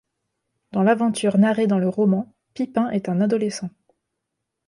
Dans l'aventure narrée dans le roman, Pippin est un adolescent.